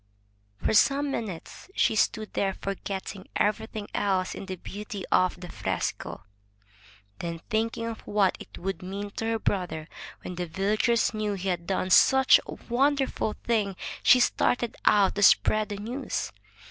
For some minutes she stood there forgetting everything else in the beauty of the fresco. Then, thinking of what it would mean to her brother when the villagers knew he had done such a wonderful thing, she started out to spread the news.